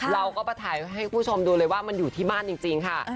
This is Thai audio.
เราก็มาถ่ายให้คุณผู้ชมดูเลยว่ามันอยู่ที่บ้านจริงค่ะ